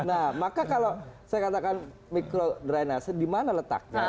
nah maka kalau saya katakan mikrodrainase di mana letaknya